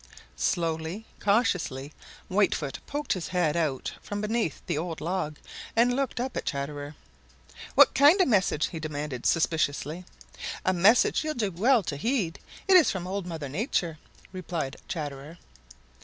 Slowly, cautiously, Whitefoot poked his head out from beneath the old log and looked up at Chatterer. "What kind of a message?" he demanded suspiciously. "A message you'll do well to heed. It is from Old Mother Nature," replied Chatterer.